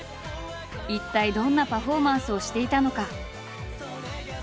一体どんなパフォーマンスをしていたのか？